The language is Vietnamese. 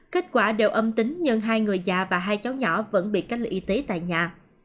kết quả đều âm tính nhưng hai người già và hai cháu nhỏ vẫn bị cách ly y tế tại nhà